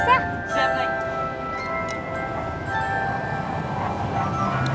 jangan pedes ya